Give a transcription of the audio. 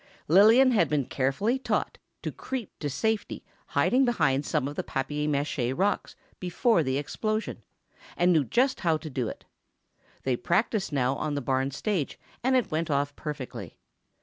Lillian had been carefully taught to creep to safe hiding behind some of the papier mâché rocks before the explosion, and knew just how to do it. They practiced now on the barn stage, and it went off perfectly.